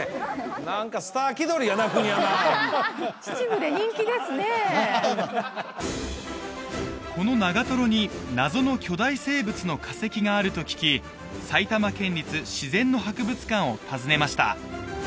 何かこの長瀞に謎の巨大生物の化石があると聞き埼玉県立自然の博物館を訪ねました